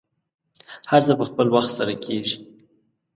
هر څه په خپل وخت سره کیږي.